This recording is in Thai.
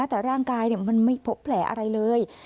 แต่ร่างกายมันไม่พบแผลอะไรเลย